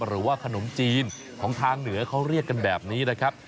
หรือว่าขนมจีนของทางเหนือเขาเรียกกันแบบนี้นะครับ